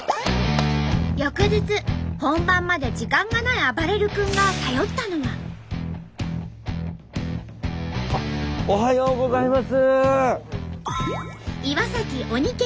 翌日本番まで時間がないあばれる君がおはようございます！